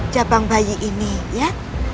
jabang bayi ini ya